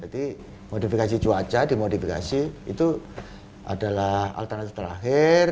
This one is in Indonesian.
jadi modifikasi cuaca dimodifikasi itu adalah alternatif terakhir